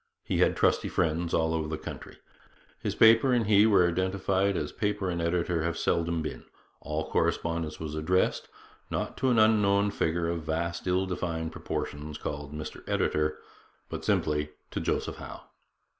He had trusty friends all over the country. His paper and he were identified as paper and editor have seldom been. All correspondence was addressed, not to an unknown figure of vast, ill defined proportions called Mr Editor, but simply to Joseph Howe.